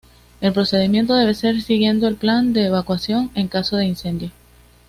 El procedimiento debe ser siguiendo el plan de evacuación en caso de incendio.